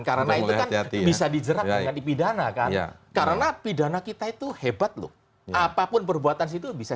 karena bisa dijerat pada pidana karena pidana kita itu hebat lu apapun perbuatan situ bisa